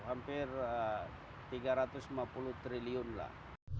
hampir tiga ratus lima puluh triliun lah